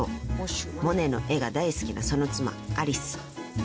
［モネの絵が大好きなその妻アリス］